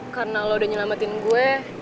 karena lo udah nyelamatin gue